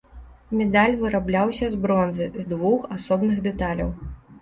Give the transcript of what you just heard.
Медаль вырабляўся з бронзы, з двух асобных дэталяў.